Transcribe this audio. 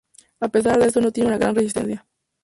A pesar de eso, no tienen una gran resistencia.